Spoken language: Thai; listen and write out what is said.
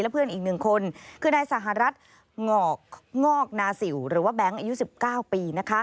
เพื่อนอีก๑คนคือนายสหรัฐงอกงอกนาสิวหรือว่าแบงค์อายุ๑๙ปี